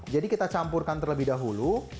jadi kita campurkan terlebih dahulu